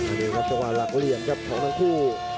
อันนี้ครับจะว่าหลักเรียนครับของทั้งคู่